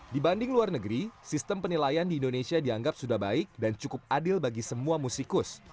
dibanding luar negeri sistem penilaian di indonesia dianggap sudah baik dan cukup adil bagi semua musikus